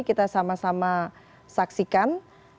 kita sama sama saksikan